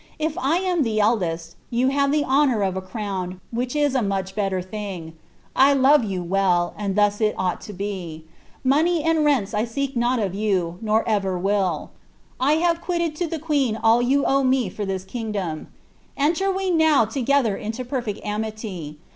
If I am the eldest, you liave the honour of a crown, which is a much better thing. I love you well, and thus it ought to be. Money and rents J seek not of you, nor ever will. I have quitted to the queen all yoa owe me for this kingdom. Enter we now together into perfect amity.